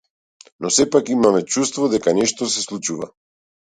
Но сепак имаме чувство дека нешто се случува.